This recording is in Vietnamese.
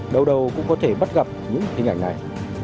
đâu đâu cũng có thể bắt gặp những hình ảnh này